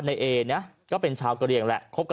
นายเอเป็นชาวเกระเรียง